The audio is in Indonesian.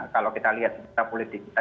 kalau kita lihat politik kita